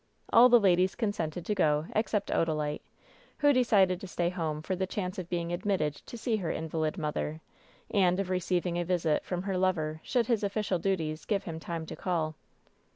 All the ladies consented to go, except Odalite, who decided to stay home for the chance of being admitted to see her invalid mother, and of receiving a visit from her lover, should his oflScial duties give him time to call.